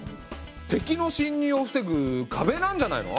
敵の侵入を防ぐかべなんじゃないの？